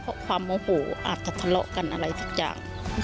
เพราะความโมโหอาจจะทะเลาะกันอะไรสักอย่าง